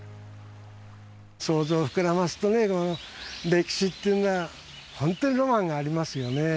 想像を膨らますとね歴史っていうのは本当にロマンがありますよね。